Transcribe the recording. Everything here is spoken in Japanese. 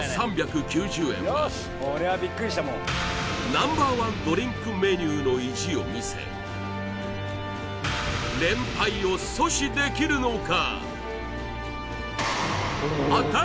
Ｎｏ．１ドリンクメニューの意地を見せ連敗を阻止できるのか？